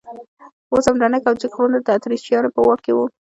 اوس هم دنګ او جګ غرونه د اتریشیانو په واک کې وو.